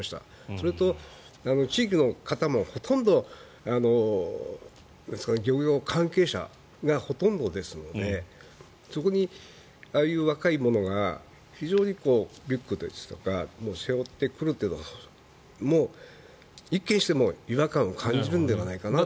それと地域の方も漁業関係者がほとんどですのでそこにああいう若いものが非常にリュックですとか背負ってくるというのは一見しても違和感を感じるのではないかと。